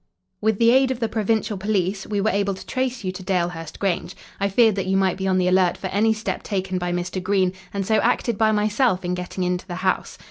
With the aid of the provincial police, we were able to trace you to Dalehurst Grange. I feared that you might be on the alert for any step taken by Mr. Green, and so acted by myself in getting into the house.